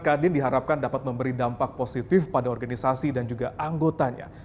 kadin diharapkan dapat memberi dampak positif pada organisasi dan juga anggotanya